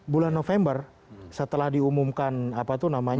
bulan november setelah diumumkan apa itu namanya